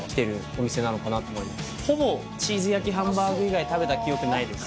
ほぼチーズ焼きハンバーグ以外食べた記憶ないです。